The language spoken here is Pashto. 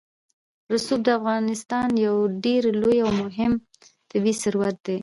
رسوب د افغانستان یو ډېر لوی او مهم طبعي ثروت دی.